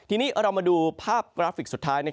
ทีนี้เรามาดูภาพกราฟิกสุดท้าย